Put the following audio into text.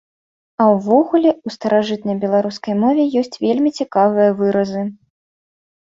А ўвогуле ў старажытнай беларускай мове ёсць вельмі цікавыя выразы.